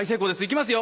いきます